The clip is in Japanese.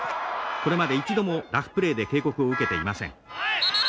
これまで一度もラフプレーで警告を受けていません。